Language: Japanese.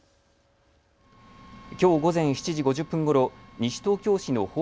きょう午前７時５０分ごろ西東京市の保